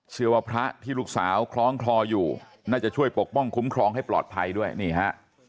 พระที่ลูกสาวคล้องคลออยู่น่าจะช่วยปกป้องคุ้มครองให้ปลอดภัยด้วยนี่ฮะ